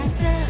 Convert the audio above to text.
masih ya lo